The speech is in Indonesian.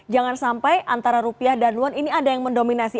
jangan sampai antara rupiah dan won ini ada yang mendominasi